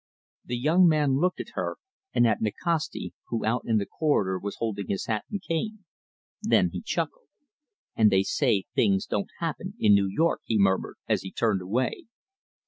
The young man looked at her, and at Nikasti, who out in the corridor was holding his hat and cane. Then he chuckled. "And they say that things don't happen in New York!" he murmured, as he turned away.